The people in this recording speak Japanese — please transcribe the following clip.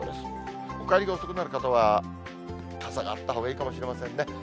お帰りが遅くなる方は、傘があったほうがいいかもしれませんね。